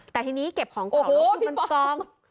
แต่ทีนี้เก็บของเก่าก็คือมันกอง